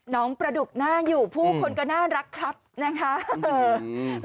น้องประดุกหน้าอยู่ผู้คนก็น่ารักครับนะคะ